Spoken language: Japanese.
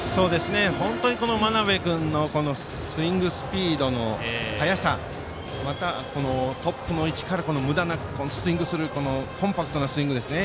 本当に真鍋君のスイングスピードの速さまたトップの位置からむだなくスイングするコンパクトなスイングですね。